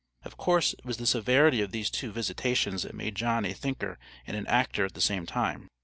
Of course it was the severity of these two visitations that made John a thinker and an actor at the same time.